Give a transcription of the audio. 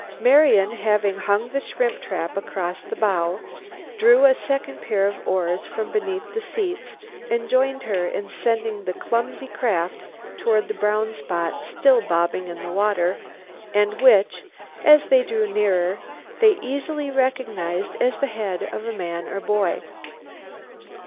Marian, having hung the shrimp trap across the bow, drew a second pair of oars from beneath the seats and joined her in sending the clumsy craft toward the brown spot still bobbing in the water, and which, as they drew nearer, they easily recognized as the head of a man or boy.